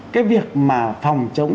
cái việc mà phòng chống